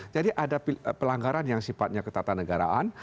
jadi ada pelanggaran yang sifatnya ketatanegaraan